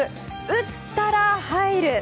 打ったら入る。